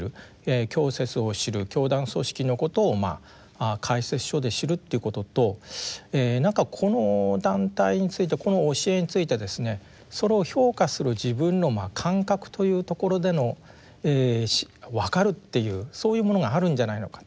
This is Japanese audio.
教説を知る教団組織のことを解説書で知るということと何かこの団体についてこの教えについてですねそれを評価する自分の感覚というところでのわかるっていうそういうものがあるんじゃないのかと。